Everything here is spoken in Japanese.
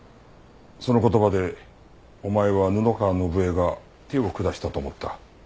その言葉でお前は布川伸恵が手を下したと思った。